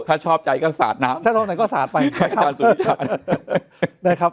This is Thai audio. ถ้าชอบใจก็สาดน้ำถ้าชอบไหนก็สาดไปธนาคารนะครับ